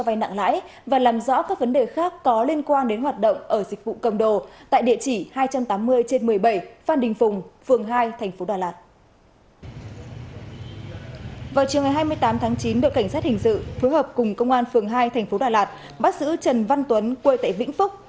vào chiều hai mươi tám tháng chín đội cảnh sát hình sự phối hợp cùng công an phường hai thành phố đà lạt bắt giữ trần văn tuấn quê tại vĩnh phúc